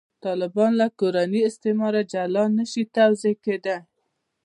طالبان له «کورني استعماره» جلا نه شي توضیح کېدای.